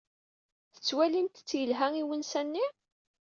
Tettwalimt-t yelha i unsa-nni?